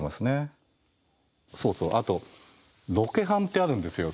そうそうあとロケハンってあるんですよ